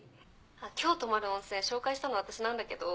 今日泊まる温泉紹介したの私なんだけど。